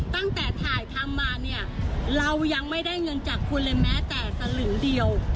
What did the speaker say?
ตั้งแต่ถ่ายทำมาเนี่ยเรายังไม่ได้เงินจากคุณเลยแม้แต่สลึงเดียว